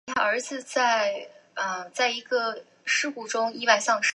退役后基瑾顺理成章出任教练。